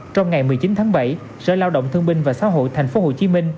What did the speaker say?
trong ngày một mươi chín tháng bảy sở lao động thương binh và xã hội tp hcm